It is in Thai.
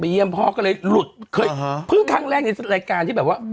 เยี่ยมพ่อก็เลยหลุดเคยเพิ่งครั้งแรกในรายการที่แบบว่า